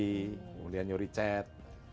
kemudian nyuri cat